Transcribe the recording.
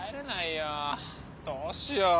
どうしよう。